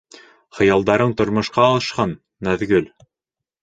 Хыялдарың тормошҡа ашһын, Наҙгөл!